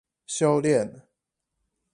修煉